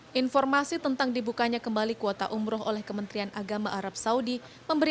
hai informasi tentang dibukanya kembali kuota umroh oleh kementerian agama arab saudi memberi